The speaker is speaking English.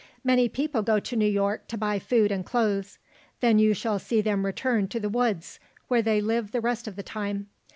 Many people go to New York to buy food and clothes. Then you shall see them return to the woods, where they live the rest of the time.